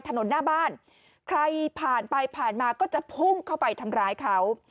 ถนนหน้าบ้านใครผ่านไปผ่านมาก็จะพุ่งเข้าไปทำร้ายเขา